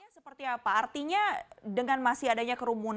seperti apa artinya dengan masih adanya kerumunan